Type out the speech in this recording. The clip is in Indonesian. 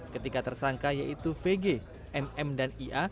ketiga tersangka yaitu vg mm dan ia